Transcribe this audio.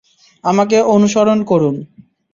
আমাকে অনুসরণ করুন।